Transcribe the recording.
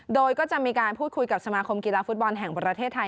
โดยก็จะมีการพูดคุยกับสมาคมกีฬาฟุตบอลแห่งประเทศไทย